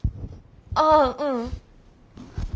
ああううん。